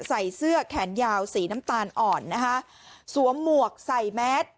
ใส่เสื้อแขนยาวสีน้ำตาลอ่อนนะคะสวมหมวกใส่แมส